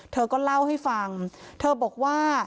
เธอก็เล่าให้ฟังเธอบอกว่า